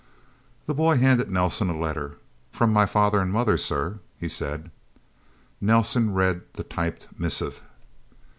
The boy handed Nelsen a letter. "From my father and mother, sir," he said. Nelsen read the typed missive.